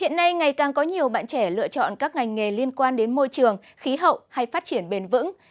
hiện nay ngày càng có nhiều bạn trẻ lựa chọn các ngành nghề liên quan đến môi trường khí hậu hay phát triển bền vững